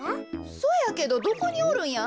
そやけどどこにおるんや？